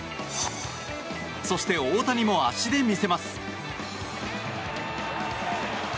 そして、大谷も足で見せます。